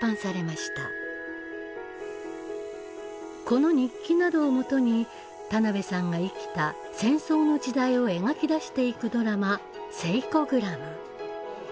この日記などをもとに田辺さんが生きた戦争の時代を描き出していくドラマ「セイコグラム」。